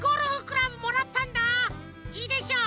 いいでしょう？